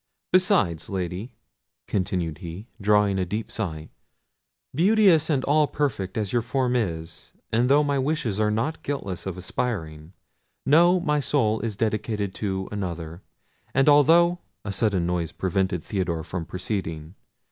Besides, Lady," continued he, drawing a deep sigh, "beauteous and all perfect as your form is, and though my wishes are not guiltless of aspiring, know, my soul is dedicated to another; and although—" A sudden noise prevented Theodore from proceeding.